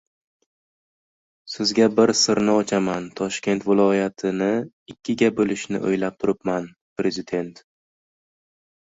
Sizga bir sirni ochaman, Toshkent viloyatini ikkiga bo‘lishni o‘ylab turibman — Prezident